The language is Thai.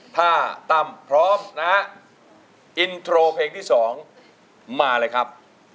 ถ้าตั้มพร้อมนะฮะอินโทรเพลงที่๒มาเลยครับ